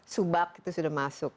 subak itu sudah masuk